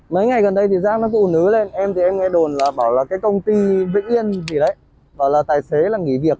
mấy ngày gần đây thì giác nó tụ nứ lên em thì em nghe đồn là bảo là cái công ty vĩnh yên gì đấy bảo là tài xế là nghỉ việc